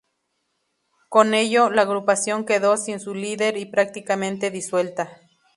Con ello, la agrupación quedó sin su líder y prácticamente disuelta.